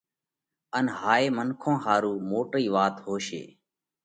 ان هائي منکون ۿارُو موٽئِي وات هوشي